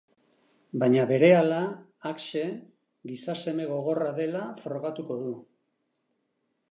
Baina berehala Axe gizaseme gogorra dela frogatuko du.